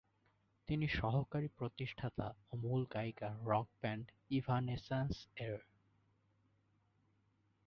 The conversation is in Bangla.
তিনি সহকারী প্রতিষ্ঠাতা ও মূল গায়িকা রক ব্যান্ড ইভানেসেন্স-এর।